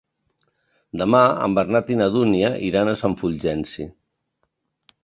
Demà en Bernat i na Dúnia iran a Sant Fulgenci.